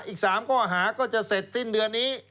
อีก๓ข้อหาก็จะเสร็จสิ้นเดือนนี้